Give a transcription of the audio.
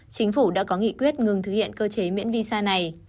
chính phủ đã có nghị quyết ngừng thực hiện cơ chế miễn visa này